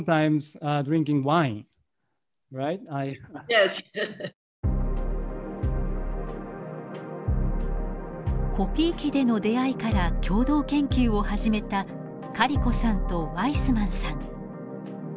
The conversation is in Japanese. Ｙｅｓ．コピー機での出会いから共同研究を始めたカリコさんとワイスマンさん。